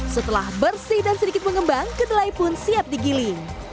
setelah bersih dan sedikit mengembang kedelai pun siap digiling